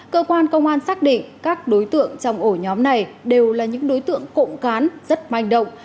cơ quan công an xác định các đối tượng trong ổ nhóm này đều là những đối tượng cộng cán rất manh động